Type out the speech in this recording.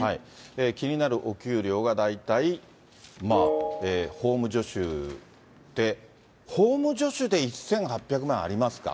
気になるお給料が大体まあ、法務助手で、法務助手で１８００万ありますか。